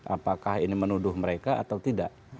apakah ini menuduh mereka atau tidak